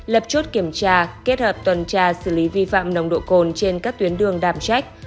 lập chốt kiểm tra kết hợp tuần tra xử lý vi phạm nồng độ cồn trên các tuyến đường đảm trách